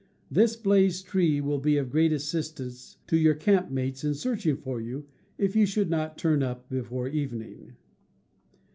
This blazed tree will be of great assistance to your camp mates in searching for you, if you should not turn up before morning.